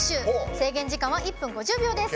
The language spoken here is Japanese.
制限時間は１分５０秒です。